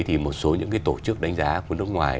thì một số những tổ chức đánh giá của nước ngoài